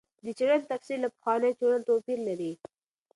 د څېړنې تفسیر له پخوانیو څېړنو توپیر لري.